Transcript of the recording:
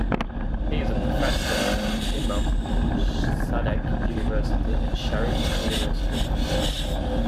He is a professor at Imam Sadegh University and Sharif University of Technology.